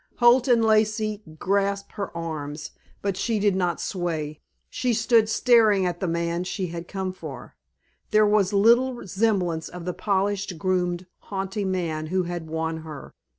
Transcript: Holt and Lacey grasped her arms, but she did not sway; she stood staring at the man she had come for. There was little semblance of the polished, groomed, haughty man who had won her.